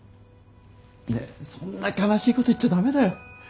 ねえそんな悲しいこと言っちゃ駄目だよ。